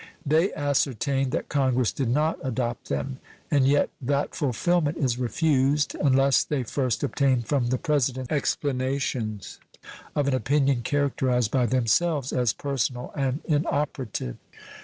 They ascertained that Congress did not adopt them, and yet that fulfillment is refused unless they first obtain from the President explanations of an opinion characterized by themselves as personal and inoperative.